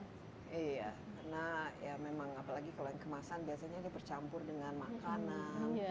iya karena ya memang apalagi kalau yang kemasan biasanya dia bercampur dengan makanan